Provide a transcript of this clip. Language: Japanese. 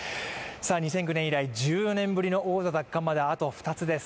２００９年以来、１４年ぶりの王座奪還まであと２つです。